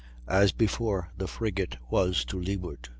As before, the frigate was to leeward.